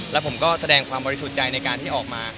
แล้วผมก็แสดงความบริสุทธิ์ใจในการที่ออกมา